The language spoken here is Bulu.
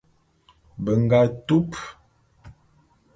Be nga tup.